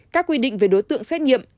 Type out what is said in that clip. các quy định về đối tượng xét nghiệm